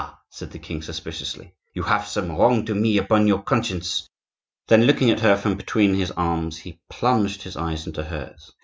said the king suspiciously, "you have some wrong to me upon your conscience!" Then looking at her from between his arms, he plunged his eyes into hers.